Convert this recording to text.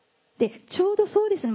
ちょうどそうですね